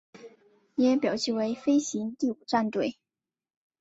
也表记为飞行第五战队。